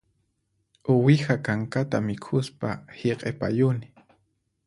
Uwiha kankata mikhuspa hiq'ipayuni